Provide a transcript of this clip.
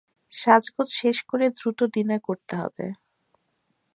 সাজগোজ শেষ করো দ্রুত, ডিনার করতে হবে।